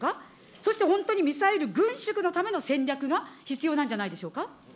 そして本当にミサイル、軍縮のための戦略が必要なんじゃないでし